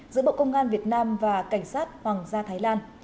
giữa bộ công an việt nam và cảnh sát hoàng gia thái lan